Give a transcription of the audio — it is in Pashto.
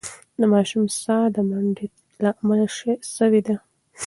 د ماشوم ساه د منډې له امله سوې وه.